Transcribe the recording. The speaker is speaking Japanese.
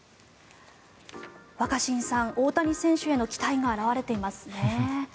若新さん、大谷選手への期待が表れていますね。